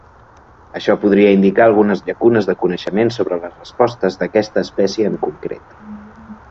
Això podria indicar algunes llacunes de coneixement sobre les respostes d'aquesta espècie en concret.